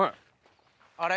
あれ？